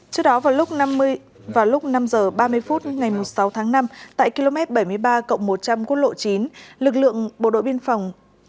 trước đó vào lúc năm h ba mươi phút ngày sáu tháng năm tại km bảy mươi ba cộng một trăm linh quốc lộ chín lực lượng bộ đội biên phòng